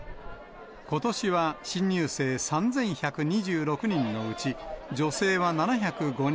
ことしは新入生３１２６人のうち、女性は７０５人。